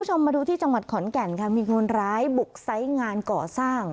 พี่ปุ่ชมมาดูที่จังหวัดขอนแก่นมีคนร้ายบุกทรัยงานก่อสร้าง